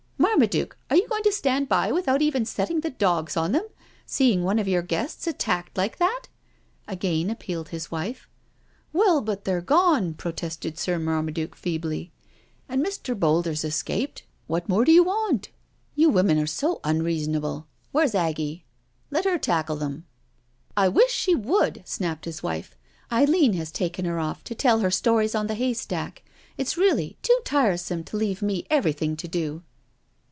" Marmaduke, are you going to stand by without even setting the dogs on them — seeing one of your guests attacked like that?" again appealed his wife. " Well, but they've gone," protested Sir Marmaduke feebly, " and Mr. Boulder's .escaped— what more do 2o6 NO SURRENDER you want? You women are so unreasonable. Where's Aggie? Let her tackle them,*' " I wish she would/' snapped his wife. " Eileen has taken her off to tell her stories on the haystack. It's really too tiresome to leave me everything to do.